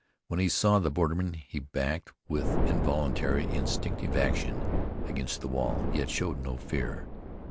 When he saw the borderman he backed, with involuntary, instinctive action, against the wall, yet showed no fear.